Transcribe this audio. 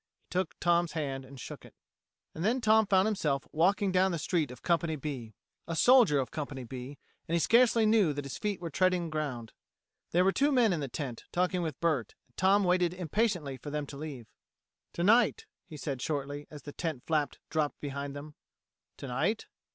He took Tom's hand and shook it. And then Tom found himself walking down the street of Company B a soldier of Company B and he scarcely knew that his feet were treading ground. There were two men in the tent, talking with Bert, and Tom waited impatiently for them to leave. "Tonight," he said shortly, as the tent flap dropped behind them. "Tonight?"